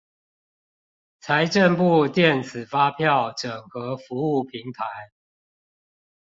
財政部電子發票整合服務平台